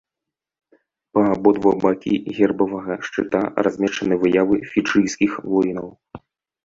Па абодва бакі гербавага шчыта размешчаны выявы фіджыйскіх воінаў.